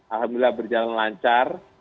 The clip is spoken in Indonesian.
alhamdulillah berjalan lancar